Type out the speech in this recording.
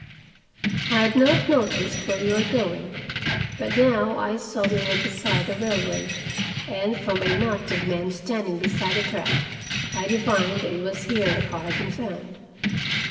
I had not noticed where we were going, but now I saw we were beside the railroad, and from a knot of men standing beside the track I divined that it was here the car had been found.